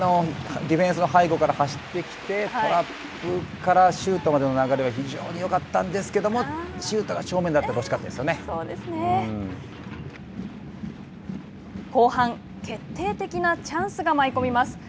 ディフェンスの背後から走ってきてトラップからシュートまでの流れは非常によかったんですけどもシュートが正面だったので後半、決定的なチャンスが舞い込みます。